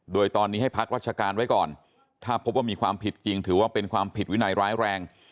โดยตอนนี้ให้พักราชการไว้ก่อนถ้าพบว่ามีความผิดจริงถือว่าเป็นความผิดวินัยร้ายแรง